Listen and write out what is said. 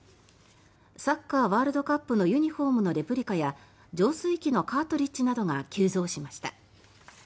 サッカーワールドカップのユニホームのレプリカや浄水器のカートリッジなどが急増しました。